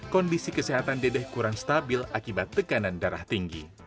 kondisi kesehatan dedeh kurang stabil akibat tekanan darah tinggi